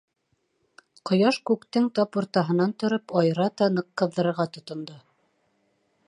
Ҡояш, күктең тап уртаһынан тороп, айырата ныҡ ҡыҙҙырырға тотондо.